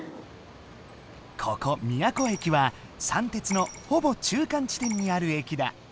ここ宮古駅はさんてつのほぼ中間地点にある駅だ。